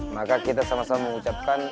maka kita sama sama mengucapkan